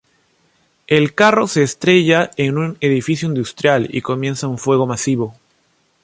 El carro se estrella en un edificio industrial y comienza un fuego masivo.